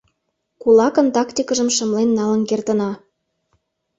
— Кулакын тактикыжым шымлен налын кертына.